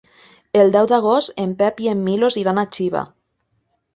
El deu d'agost en Pep i en Milos iran a Xiva.